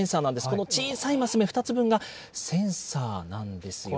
この小さいます目２つ分がセンサーなんですよ。